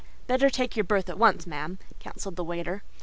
"Better take your berth at once, ma'am," counselled the waiter.